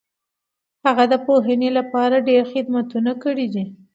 هغه د پوهنې لپاره ډېر خدمتونه کړي دي.